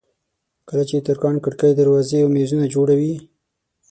کله چې ترکاڼ کړکۍ دروازې او مېزونه جوړوي.